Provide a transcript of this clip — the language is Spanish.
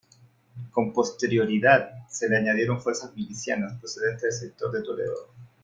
Con posterioridad se le añadieron fuerzas milicianas procedentes del sector de Toledo.